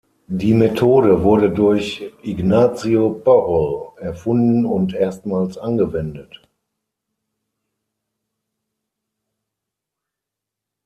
Die Methode wurde durch Ignazio Porro erfunden und erstmals angewendet.